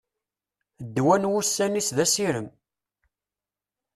Ddwa n wussan-is d asirem.